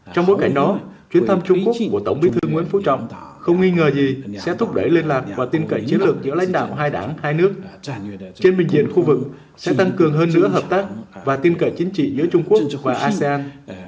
trong bối cảnh đó chuyến thăm trung quốc của tổng bí thư nguyễn phú trọng không nghi ngờ gì sẽ thúc đẩy liên lạc và tin cậy chiến lược giữa lãnh đạo hai đảng hai nước trên bình diện khu vực sẽ tăng cường hơn nữa hợp tác và tin cậy chính trị giữa trung quốc và asean